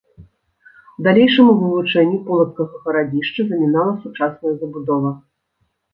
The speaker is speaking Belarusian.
Далейшаму вывучэнню полацкага гарадзішча замінала сучасная забудова.